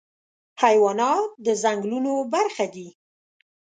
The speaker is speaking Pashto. حیوانات د ځنګلونو برخه دي.